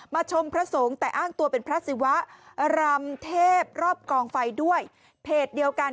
ชมพระสงฆ์แต่อ้างตัวเป็นพระศิวะรำเทพรอบกองไฟด้วยเพจเดียวกัน